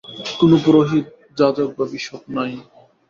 কোন পুরোহিত, যাজক বা বিশপ নাই।